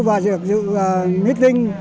và giữ meeting